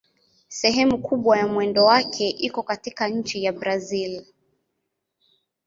Sehemu kubwa ya mwendo wake iko katika nchi ya Brazil.